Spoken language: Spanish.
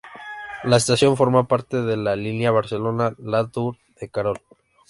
La estación forma parte de la línea Barcelona-Latour-de-Carol.